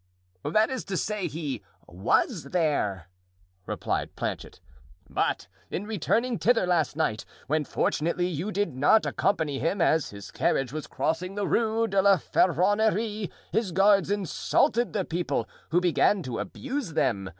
"That is to say, he was there," replied Planchet. "But in returning thither last night, when fortunately you did not accompany him, as his carriage was crossing the Rue de la Ferronnerie his guards insulted the people, who began to abuse them.